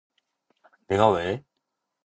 내가 왜?